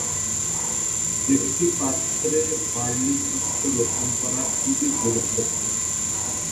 একটি পাত্রে বার্লি শস্য রোপণ করা খুবই গুরুত্বপূর্ণ।